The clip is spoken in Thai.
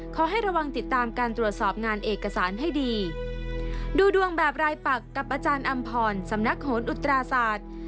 ขอให้ระวังติดตามการตรวจสอบงานเอกสารให้ดีดูดวงแบบรายปักกับอาจารย์อำพรสำนักโหนอุตราศาสตร์